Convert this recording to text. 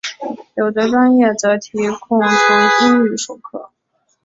有的专业则提供纯英语授课。